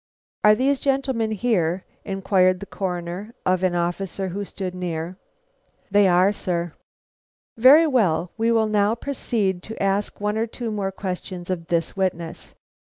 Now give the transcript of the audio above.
"Are these gentlemen here?" inquired the Coroner of an officer who stood near. "They are, sir." "Very good; we will now proceed to ask one or two more questions of this witness.